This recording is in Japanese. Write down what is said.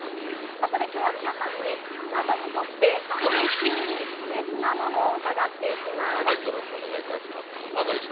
そこで今日は皆さんに、あなたにとって永久に不滅なものをうかがっていきます。